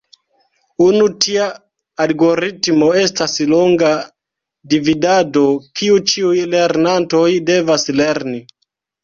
Unu tia algoritmo estas longa dividado, kiu ĉiuj lernantoj devas lerni.